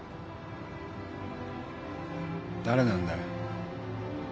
誰なんだよ？